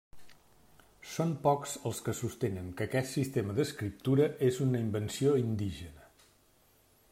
Són pocs els que sostenen que aquest sistema d'escriptura és una invenció indígena.